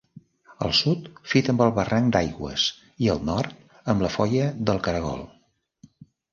Al sud fita amb el barranc d'Aigües i al nord amb la foia del Caragol.